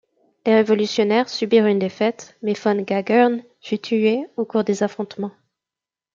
Les révolutionnaires subirent une défaite mais von Gagern fut tué au cours des affrontements.